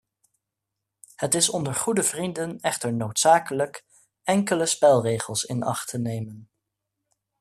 Het is onder goede vrienden echter noodzakelijk, enkele spelregels in acht te nemen.